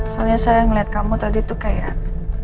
soalnya saya ngeliat kamu tadi tuh kayak